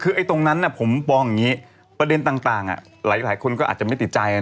คือไอ้ตรงนั้นผมมองอย่างนี้ประเด็นต่างหลายคนก็อาจจะไม่ติดใจ